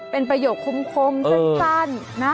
เป็นประหยุดคมอืมช่างนะ